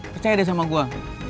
percaya deh sama gue